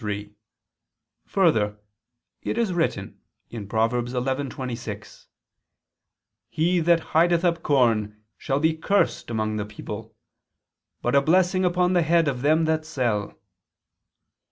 3: Further, it is written (Prov. 11:26): "He that hideth up corn shall be cursed among the people; but a blessing upon the head of them that sell."